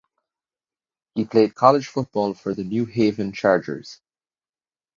He played college football for the New Haven Chargers.